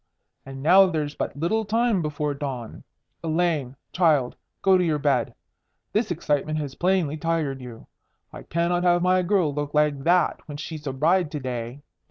And now there's but little time before dawn. Elaine, child, go to your bed. This excitement has plainly tired you. I cannot have my girl look like that when she's a bride to day.